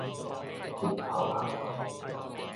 日頭暗